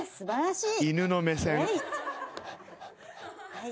はい。